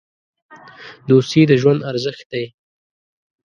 دوستي د ژوند ارزښت دی.